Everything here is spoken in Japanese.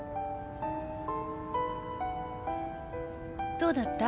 どうだった？